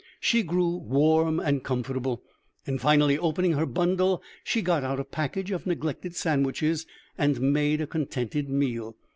She grew warm and comfortable, and finally, opening her bundle, she got out a package of neglected sandwiches and made a contented meal.